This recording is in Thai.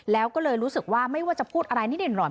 แล้วก็เลยรู้สึกว่าไม่ว่าจะพูดอะไรนิดเด่นห่อน